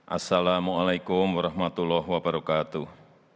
assalamu'alaikum warahmatullahi wabarakatuh